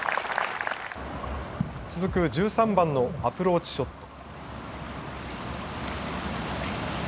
続く１３番のアプローチショット。